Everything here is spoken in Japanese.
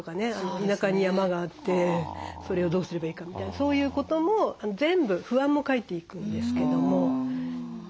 田舎に山があってそれをどうすればいいかみたいなそういうことも全部不安も書いていくんですけども。